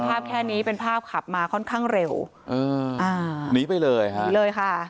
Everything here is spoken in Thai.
ภาพแค่นี้เป็นภาพขับมาค่อนข้างเร็วอ่านี้ไปเลยเลยค่ะ